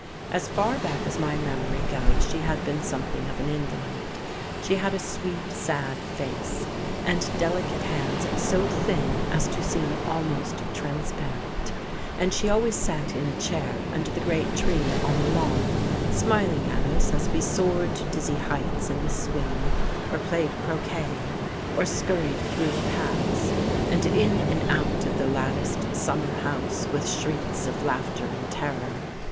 As far back as my memory goes she had been something of an invalid; she had a sweet, sad face, and delicate hands so thin as to seem almost transparent; and she always sat in a chair under the great tree on the lawn, smiling at us as we soared to dizzy heights in the swing, or played croquet, or scurried through the paths, and in and out of the latticed summer house with shrieks of laughter and terror.